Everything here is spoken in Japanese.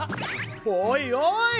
おいおい！